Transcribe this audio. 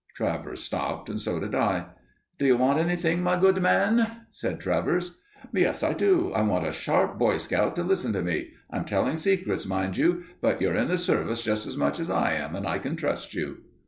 Travers stopped and so did I. "D'you want anything, my good man?" said Travers. "Yes, I do. I want a sharp Boy Scout to listen to me. I'm telling secrets, mind you; but you're in the Service just as much as I am, and I can trust you."